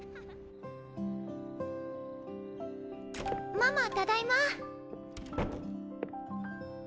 ママただいま。